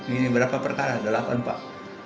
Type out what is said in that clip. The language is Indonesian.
ini berapa perkara delapan pak